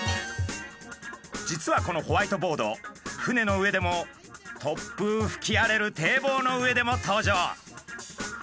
実はこのホワイトボード船の上でも突風ふき荒れる堤防の上でも登場。